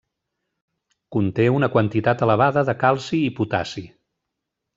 Conté una quantitat elevada de calci i de potassi.